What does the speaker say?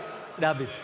sudah habis pak